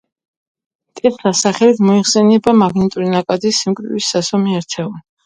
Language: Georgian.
ტესლას სახელით მოიხსენიება მაგნიტური ნაკადის სიმკვრივის საზომი ერთეული.